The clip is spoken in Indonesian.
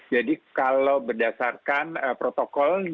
jadi kalau berdasarkan protokol